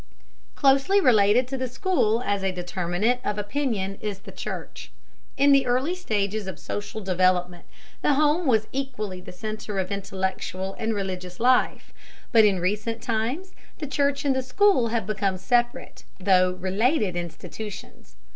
Closely related to the school as a determinant of opinion is the church. In the early stages of social development the home was equally the center of intellectual and religious life, but in recent times the church and the school have become separate, though related, institutions.